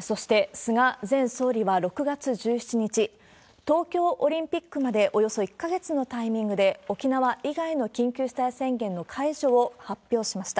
そして菅前総理は６月１７日、東京オリンピックまでおよそ１か月のタイミングで、沖縄以外の緊急事態宣言の解除を発表しました。